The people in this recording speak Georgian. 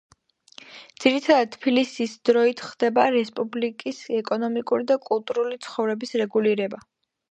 ძირითადად თბილისის დროით ხდება რესპუბლიკის ეკონომიკური და კულტურული ცხოვრების რეგულირება.